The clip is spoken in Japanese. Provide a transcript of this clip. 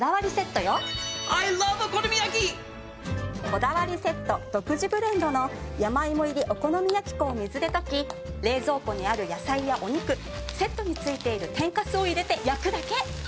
こだわりセット独自ブレンドの山芋入りお好み焼粉を水で溶き冷蔵庫にある野菜やお肉セットに付いている天かすを入れて焼くだけ！